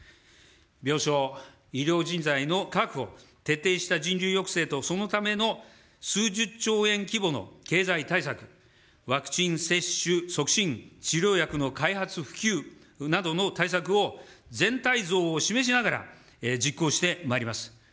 病床、医療人材の確保、徹底した人流抑制とそのための数十兆円規模の経済対策、ワクチン接種促進、治療薬の開発普及などの対策を、全体像を示しながら、実行してまいります。